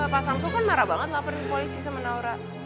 pak samsul kan marah banget laporin polisi sama naura